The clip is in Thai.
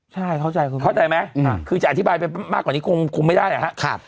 ใช่เข้าใจคุณเข้าใจไหมคือจะอธิบายไปมากกว่านี้คงไม่ได้นะครับ